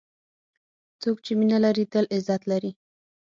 څوک چې مینه لري، تل عزت لري.